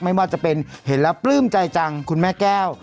ไม่ว่าจะเป็นเห็นแล้วปลื้มใจจังคุณแม่แก้ว